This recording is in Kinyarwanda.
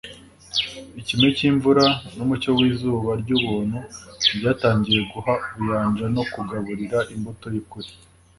Ikime cy'imvura n'umucyo w'izuba ry'ubuntu ryatangiwe guha ubuyanja no kugaburira imbuto y'ukuri.